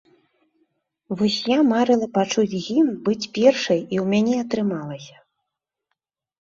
Вось я марыла пачуць гімн, быць першай, і ў мяне атрымалася.